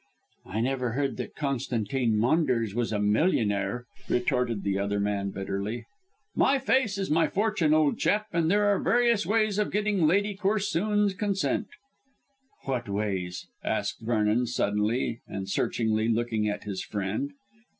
"I never heard that Constantine Maunders was a millionaire," retorted the other man bitterly. "My face is my fortune, old chap, and there are various ways of getting Lady Corsoon's consent." "What ways?" asked Vernon suddenly and searchingly looking at his friend.